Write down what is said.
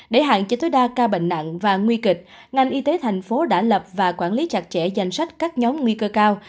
để hạn chế tối đa ca bệnh nặng và nguy kịch ngành y tế thành phố đã lập và quản lý chặt chẽ danh sách các nhóm nguy cơ cao